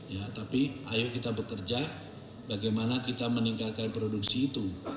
ya tapi ayo kita bekerja bagaimana kita meningkatkan produksi itu